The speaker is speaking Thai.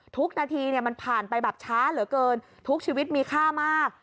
ทุกนาทีมันผ่านไปแบบช้าเหลือเกินทุกชีวิตมีค่ามาก